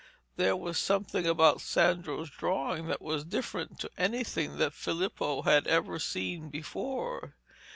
There was something about Sandro's drawing that was different to anything that Filippo had ever seen before.